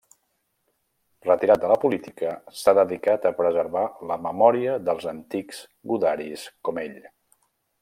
Retirat de la política, s'ha dedicat a preservar la memòria dels antics gudaris com ell.